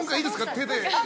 手で。